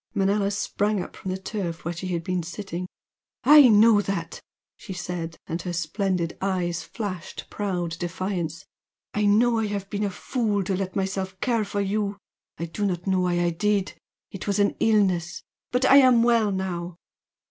Manella sprang up from the turf where she had been sitting. "I know that!" she said, and her splendid eyes flashed proud defiance "I know I have been a fool to let myself care for you! I do not know why I did it was an illness! But I am well now!"